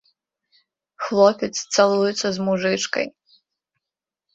Хлопец цалуецца з мужычкай!